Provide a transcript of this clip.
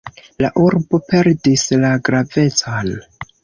La urbo perdis la gravecon.